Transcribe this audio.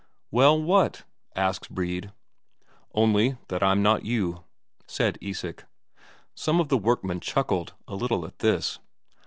"Well what?" asks Brede. "Only that I'm not you," said Isak. Some of the workmen chuckled a little at this.